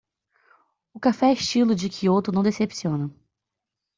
O café estilo de Quioto não decepciona.